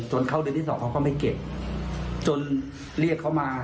เข้าเดือนที่สองเขาก็ไม่เก็บจนเรียกเขามา